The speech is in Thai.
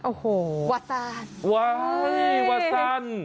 โอ้โหวาซันว้ายวาซัน